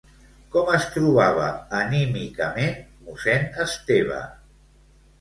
Com es trobava anímicament mossèn Esteve?